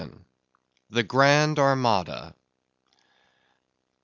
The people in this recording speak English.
The Grand Armada.